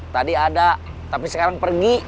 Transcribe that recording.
tadi ada tapi sekarang pergi